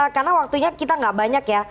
karena waktunya kita nggak banyak ya